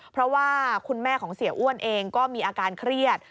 เพราะว่าคุณแม่ของเสียอ้วนเองก็มีอาการเครียด